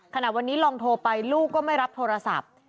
ขณะวันนี้ลองโทรไปลูกก็ไม่รับโทรศัพท์